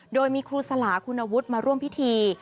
โดยมีครูสลาคุณวุฒิมาร่วมพิธี